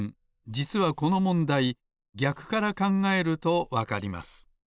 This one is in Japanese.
じつはこのもんだいぎゃくからかんがえるとわかります。